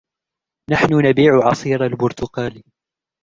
نحن نبيع عصير البرتقال.